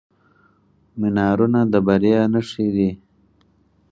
منارونه د بریا نښې دي.